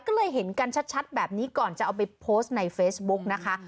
ก็เลยเห็นกันชัดแบบนี้ก่อนจะเอาไปโพสต์ในเฟซบุ๊กนะคะ